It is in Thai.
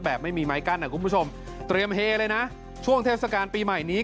ไม่มีไม้กั้นนะคุณผู้ชมเตรียมเฮเลยนะช่วงเทศกาลปีใหม่นี้